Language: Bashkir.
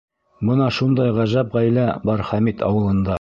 Бына шундай ғәжәп ғаилә бар Хәмит ауылында.